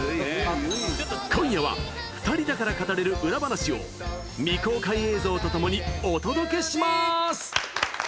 今夜は、２人だから語れる裏話を未公開映像とともにお届けします。